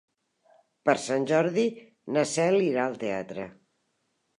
Per Sant Jordi na Cel irà al teatre.